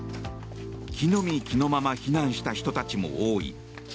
着の身着のまま避難した人たちも多い。